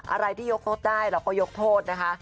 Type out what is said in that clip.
อะไรที่ยกรถได้เราก็ยกโทษนะคะ